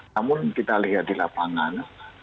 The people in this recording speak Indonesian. namun kita lihat di lapangan